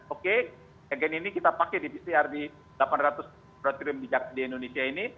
oke agen ini kita pakai di pcr di delapan ratus laboratorium di indonesia ini